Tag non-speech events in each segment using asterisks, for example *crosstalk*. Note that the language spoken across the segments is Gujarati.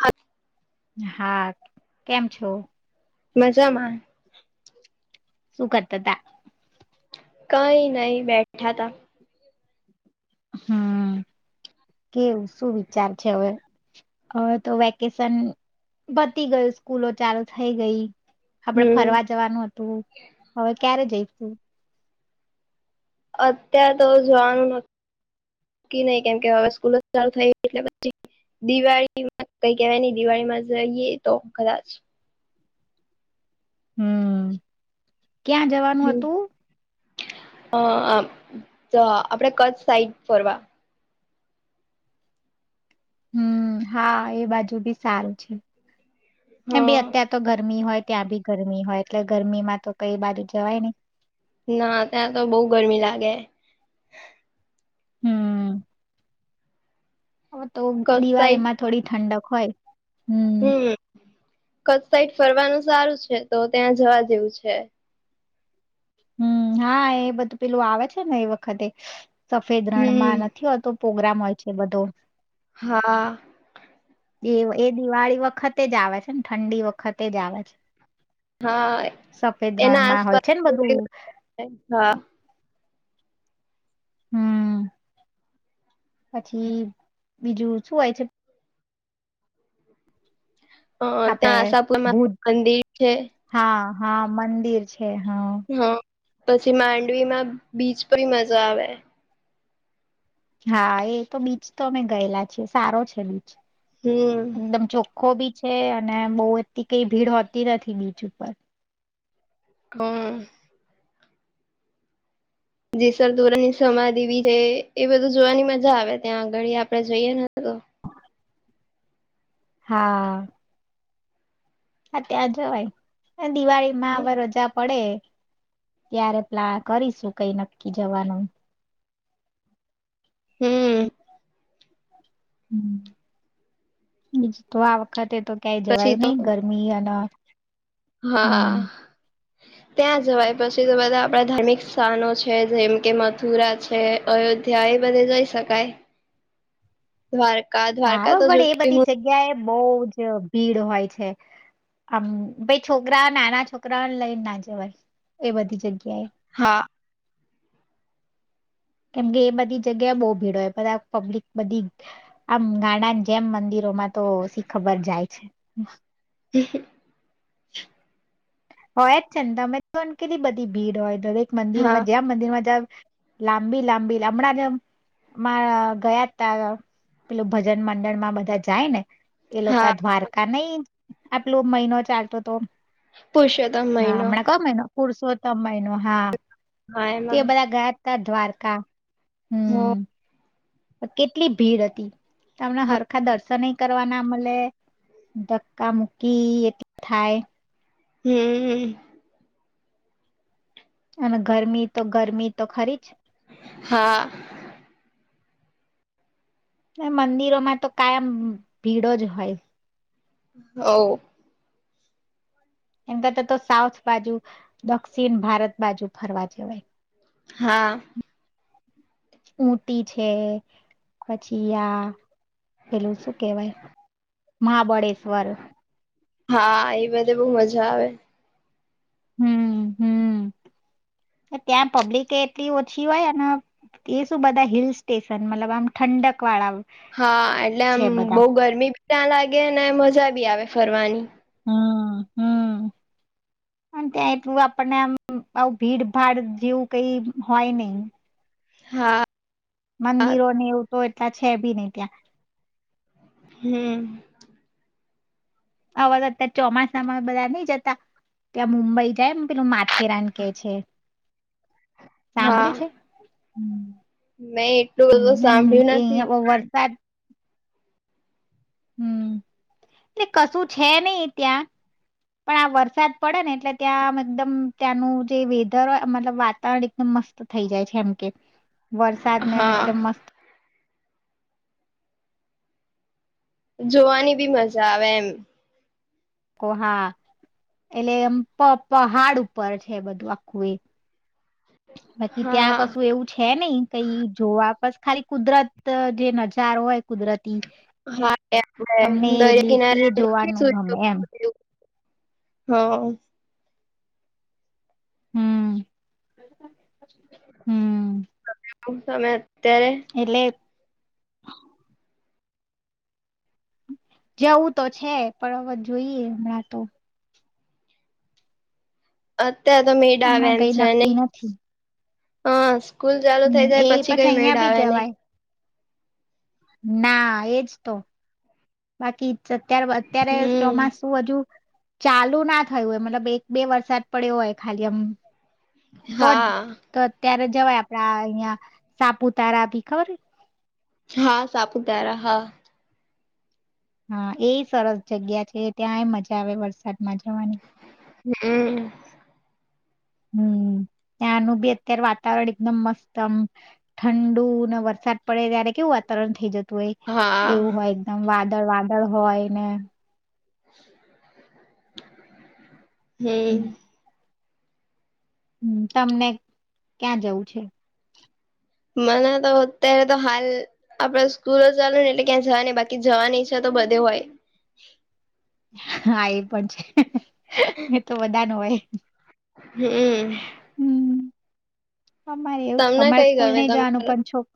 હા *unintelligible* હા કેમ છો મજામા શું કરતા તા. કંઈ નઈ બેઠા તા હમ કેવુ શું વિચાર છે અવે અવે તો વેકેશન પતી ગયુ સ્કૂલો ચાલુ થઈ ગઈ આપડે હમ ફરવા જવાનુ અતું હવે ક્યારે જઈ અત્યાર તો જવાનુ નક્કી નઈ કેમ કે અવે સ્કૂલો ચાલુ થઈ એટલે પછી દિવાળીમાં કઈ કેવાય નઈ દિવાળીમા જઈએ તો કદાચ હમ્મ. ક્યાં જવાનુ અતુ? અ આપ આપડે કચ્છ સાઈડ ફરવા હમ હા એ બાજુ બી સારું છે. એમબી અત્યાર હ તો ગરમી હોય ત્યાં બી ગરમી હોય એટલે ગરમીમા તો કંઈ એ બાજુ જવાય નઈ ના ત્યાં તો બહુ ગરમી લાગે હમ હવે તો કચ્છ દિવાળી સાઈડ માં થોડી ઠંડક હોય હમ, કચ્છ સાઈડ ફરવાનુ સારું છે તો ત્યાં જવા જેવું છે હમ, હા એ બધું પેલું આવે છે ને એ વખતે સફેદ રણમા હમ નથી હોતો પ્રોગ્રામ હોય એ બધુ હા એ, એ, દિવાળી વખતે જ આવે છે ને ઠંડી વખત વખતે જ આવે છે, હા સફેદ એના રણમાં હોય છે ને આસપાસ બધું હા હમ, પછી બીજું શું હોય છે હ, આપડે ત્યાં આશાપુર ભૂજ માતા મંદિર છે હા હા, મંદિર છે હા હા, પછી માંડવીમાં બીચ પણ મજા આવે હા, એ તો બીચ તો અમે ગયેલા છીએ સારો છે બીચ હમ એકદમ ચોખ્ખો બી છે, અને બહુ એટલી કઈ ભીડ હોતી નથી બીચ ઉપર હ જેસલ તોરલ ની સમાધિ વી છે એ બધું જોવાની મજા આવે ત્યાં આગળ આપડે જઈએ ને તો હા. હા ત્યાં જવાય. દિવાળી માં હવે રજા પડે. ત્યારે પ્લા કરીશું કઈ નક્કી જવાનું. હમ. હ બીજ તો આ વખતે તો ક્યાંય પછી જવાયું તો નહ ગરમી અને હા હમ ત્યાં જવાય પછી તો બધા આપડા ધાર્મિક સ્થાનો છે જેમ કે મથુરા છે અયોધ્યા એ બધે જઈ શકાય દ્વારકા દ્વારકા તો જો કે હું બહ જ ભીડ હોય છે આમ ભાઈ છોકરા નાના છોકરાને લઈને ના જવાય એ બધી જગ્યાએ હા કેમકે એ બધી જગ્યા બહ ભીડ બધા પબ્લિક બધી આમ ગાણા જેમ મંદિરોમાં તોછી ખબર જાય છે. *inaudible* હોય ચિંતા મે તો બધી ભીડ હોય. દરેક હા મંદિરમાં જમ મંદિરમાં જ લાંબી લાંબી હમણાં માં ગયા ત પેલું ભજન મંડણમાં બધા જાય ને. એ લોકો હા દ્વારકા નઈ આટલો મહિનો ચાલતો હતો પુરષોત્તમ મહિનો પુરસો તો *unintelligible* હા હા એમાં ત દ્વારકા હા હમ કેટલી ભીડ હતી તમને હરખા દર્શન યે કરવા ના મળે ધક્કા મુૂકી એટલ થાય હમ્મ. અને ગરમી તો ગરમી તો ખરી જ. હા. મંદિરોમાં તો કાયમ ભીડ જ હોય. હો. એમ કરતા તો સાઉથ બાજુ દક્ષિણ ભારત બાજુ ફરવા જવાય. હા ઊંટી છે પછી આ પેલું શું કેવાય મહાબળેશ્વર હા એ બધે બહુ મજા આવે. હમ હમ ત્યાં પબ્લિક એ એટલી ઓછી હોય અને એ શું બધા હિલ સ્ટેશન મતલબ આમ ઠંડક વાળા. હા એટલે છે આમ બધા બઉ ગરમી ભી ત્યાં લાગે ને મજા ભી આવે. ફરવાની. હમ હમ અને ત્યાં એટલું આપણને આમ આવુ ભીડ ભાડ જેવું કઈ હોય નહિ. હા. મંદિરોને એવુ તો એટલા છે બી નઈ ત્યાં હમ્મ. અવ તો અત્યારે ચોમાસામાં બધા નઈ જતા ત્યાં મુંબઈ જાય પેલું માથેરાન કે છે. હા સાંભળી છે. મેં એટલું બધું એમ સાંભ્ળ્યુ એ નથી પણ હમ્મ એટલે કશું છે નઈ ત્યાં પણ આ વરસાદ પડે ને એટલે ત્યાં આમ એકદમ ત્યાંનું જે વેધર મતલબ વાતાવરણ એકદમ મસ્ત થઇ જાય છે એમ કે વરસાદને એમ હા એકદમ મસ્ત જોવાની બી મજા આવે એમ. કોહા એટલે એમ પ પહાડ ઉપર છે બધું આખું એ. બાકી ત્યાં હા કશું એવું છ છે નઈ કઈ જોવા બસ ખાલી કુદરત જે નજારો હોય કુદરતી હા એ આપડે તમને દરિયા એટલી એ જોવાનું ગમે એમ. હં. હમ્મ. હમ્મ. *unintelligible* સમય એટલે જવું તો છે પણ અવર જોઈએ હમણાં તો અ. અ ત્યાં તો મેડા આવે હમણાં એમ કઈ છે નક્કી નહી. નથી હા. સ્કૂલ ચાલુ હમ થઇ એ જાય પછી કઈ મેળ અહિયાં બી આવે નહીં. જવાય ના એજ તો બાકી અત્યારે અત્યારે હમ ચોમાસું હજુ ચાલુ ના થયું હોય મતલબ એક બે વરસાદ પડ્યો હોય ખાલી એમ. તો જ હા તો અત્યારે જ જવાય આપડા અહિયાં સાપુતારા બી ખબર હા સાપુતારા હા. હા એ સરસ જગ્યા છે ત્યાંય મજા આવે વરસાદમાં જવાની હમ હમ ત્યાંનું બી અત્યારે વાતાવરણ એકદમ મસ્ત આમ ઠંડુ ને વરસાદ પડે ત્યારે કેવું વાતાવરણ થઇ જતું. હા એવું હોય એકદમ વાત અંદર વાદળ હોય ને *unintelligible* હમ હમ્મ તમને ક્યાં જવું છે? મને તો અત્યારે તો હાલ આપડે સ્કૂલો ચાલેને એટલે ક્યાં જવા ન બાકી જવાની ઈચ્છા તો બધે હોય હા એ પણ છે. એ તો બધા ન હોય હમ હમ્મ. અમારે એવું થ અમારે સ્કૂલ ગમે નઈ જવાનું તમારે પણ છોક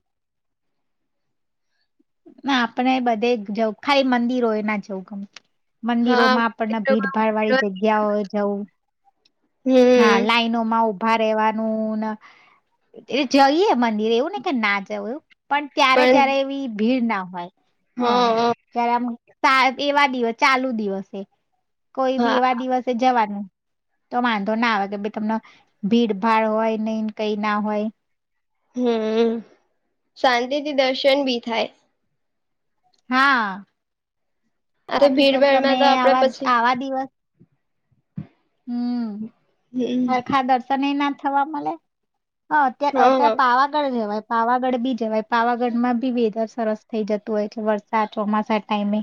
ના આપણે બધે જવું ખાઈ મંદિરો એ ના જવું ગમે હા મંદિરોમાં આપણને ભીડભાડ વાળી જગ્યાઓ જવું હા હમ લાઈનોમાં ઉભા રહેેવાનું ને એટ જઈએ મંદિર એવું ને કે ના જવું એવું પણ ત્યારે જયારે એવી ભીડ ના હોય હ જ્યારે આમ એવા દિવસ ચાલુ દિવસે કોઈ બી એવા દિવસે જવાનું તો વાંધો ના આવે કે ભાઈ તમને ભીડ ભાડ હોય નઈ કઈ ના હોય હમ શાંતિથી દર્શન બી થાય હા આ બાકી તો તમે ભીડભાડમાં તો આપડે આવા પછી આવા દિવસ હમ હમ હરખા દર્શનય ના થવા મળે હાત અત્યારે હા પાવાગઢ જવાય પાવાગઢ બી જવાય પાવાગઢ માં બી વેધર સરસ થઇ જતું હોય છે વરસાદ ચોમાસા ટાઈમે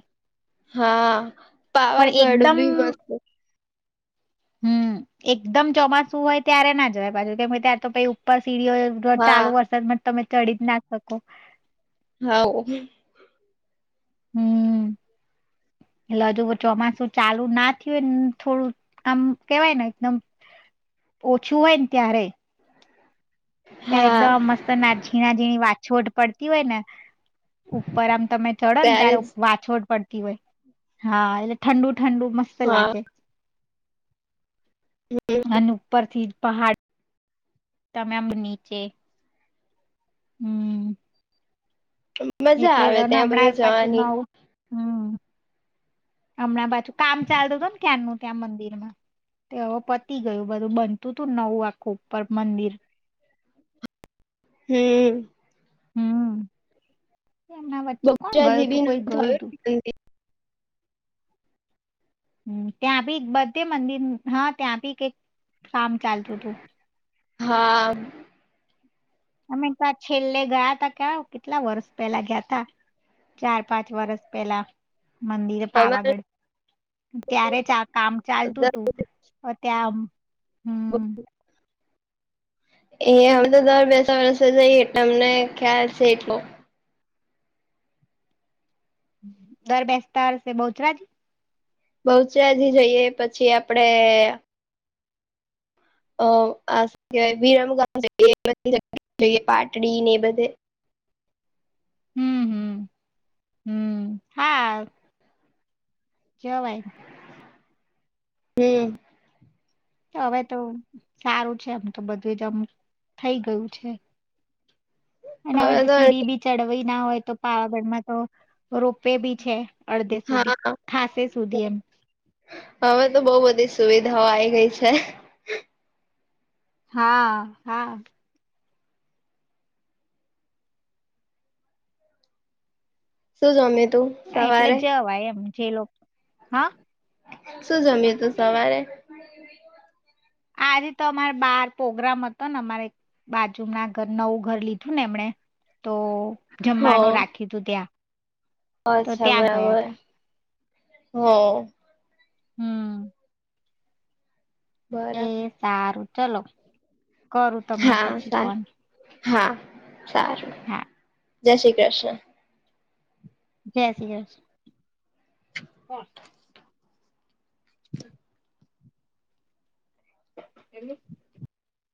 હા પાવાગઢ ભી મસ્ત હમ્મ એક એકદમ ચોમાસું હોય ત્યારે ના જ હોય પાછું કેમ કે ત્યારે તો પઈ ઉપર સીડીઓ ચાલુ હા વરસાદમાં - તમે ચડી જ ના શકો. હવ. હમ એટલે હજુ ચોમાસું ચાલુ ના થ્યું હોયને થોડું આમ કેવાય ને એકદમ ઓછું હોય ને ત્યારે ત્યાં હા એકદમ મસ્ત ના ઝીણા ઝીણી વાત છોટ પડતી હોય ને ઉપર આમ તમે ચડો ને ત્યારે વાછોડ પડ હા એટલે ઠંડુ ઠંડુ મસ્ત હા લાગે અન ઉપરથી પહાડ- તમે આમ નીચે હમ્મ. મજા આવે ત્યાં બધે જવાની હમ્મ અમણાં બાછુ કામ ચાલતું હતું ને ક્યારનું ત્યાં મંદિરમાં તે અવ પતી ગયું બધું બનતું તું નવું આખું ઉપર મંદિર હમ્મ. હમ્મ. *unintelligible* જેવી ન તું *unintelligible* મંદિ હમ્મ ત્યાં બી બધે મંદિર હા ત્યાં બી કંઈક કામ ચાલતું તું હા અમે તા છેલ્લે ગયા તા કે કેટલા વરસ પેલા ગ્યા તા ચાર પાંચ વરસ પેલા મંદિર અમારે પાવાગઢ ત્યારે ચા કામ ચાલતું તુ અ ત્યાં *unintelligible* હમ એ અમે તો દર બેસતા વર્ષે જઈએ એટલે અમને ખ્યાલ છે એટલો દર બેસતા હશે બહુચરા જ બહુચરાજી જઈએ પછી આપડે અ આ કવાય વિરમગામ એ ધઈએ પાટડી ને એ બધે હમ્મ-હમ્મ. હમ્મ, હા ક ભાઈ હમ્મ. હવે તો સારું છે આમ તો બધું જ આમ થઈ ગયું છે. એ ના તો સીડી બી ચડઈ ના હોય તો પાવાગઢ માં તો રોપે વે બી છે અડધે સુધી હા ખાસ સુધી એમ હવે તો બો બધી સુવિધાઓ આ ગઈ છે હા હા શું જમે તું એટલે સવારે જવાય એમ જે લોકો હા શું જમ્યું તું સવારે આજે તો અમારે બાર પ્રોગ્રામ હતો ને અમારે બાજમા નવું ઘર લીધું ને એમણે તો હ જમવાનું રાખી તું ત્યાં તો અચ્છા ત્યાં ગયા બરાબર તા હમ હમ એ બરાબર સારું ચલો કરું તમને હા પછી સારું ફોન હા સાર હા જય શ્રી કૃષ્ણ જય શ્રી કૃષ *inaudible* *inaudible*